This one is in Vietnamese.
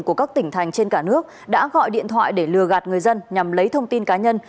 của các tỉnh thành trên cả nước đã gọi điện thoại để lừa gạt người dân nhằm lấy thông tin cá nhân